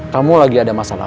kamu lagi ada masalah